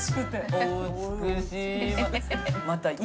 お美しいわ。